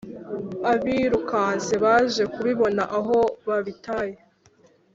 abirukanse baje kubibona aho babitaye